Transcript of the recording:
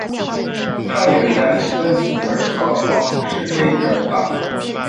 他也为 Das Fenster 和 Oscillator 打鼓。